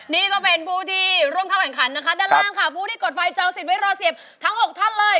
นี่ก็เป็นผู้ที่ร่วมเข้าแข่งขันนะคะด้านล่างค่ะผู้ที่กดไฟจองสิทธิไว้รอเสียบทั้ง๖ท่านเลย